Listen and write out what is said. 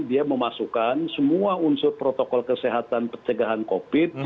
dia memasukkan semua unsur protokol kesehatan pencegahan covid